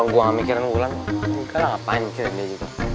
gue gak mikirin ulan engga lah ngapain mikirin dia juga